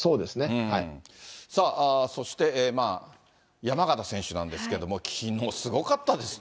さあ、そして、山縣選手なんですけれども、きのう、すごかったですね。